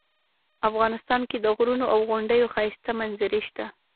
افغانستان کې د غرونو او غونډیو ښایسته منظرې شته